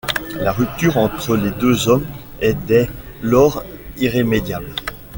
La rupture entre les deux hommes est dès lors irrémédiable.